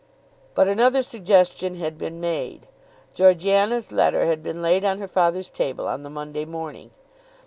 But another suggestion had been made. Georgiana's letter had been laid on her father's table on the Monday morning.